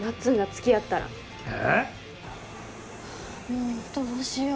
もうどうしよう。